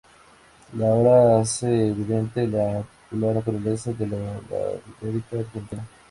La obra hace evidente la peculiar naturaleza de la oligarquía argentina.